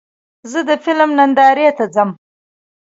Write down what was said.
زه د فلم نندارې ته ځم.